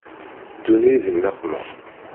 Teddun-iyi di nneqma.